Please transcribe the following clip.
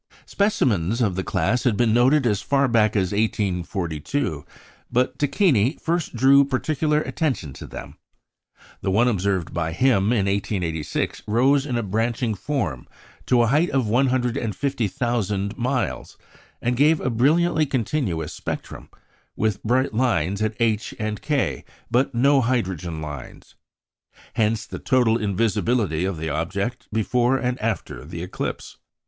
Specimens of the class had been noted as far back as 1842, but Tacchini first drew particular attention to them. The one observed by him in 1886 rose in a branching form to a height of 150,000 miles, and gave a brilliantly continuous spectrum, with bright lines at H and K, but no hydrogen lines. Hence the total invisibility of the object before and after the eclipse.